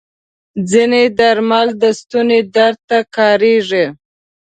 ځینې درمل د ستوني درد ته کارېږي.